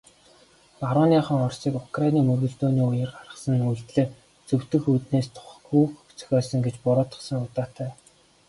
Барууныхан Оросыг Украины мөргөлдөөний үеэр гаргасан үйлдлээ зөвтгөх үүднээс түүх зохиосон гэж буруутгасан удаатай.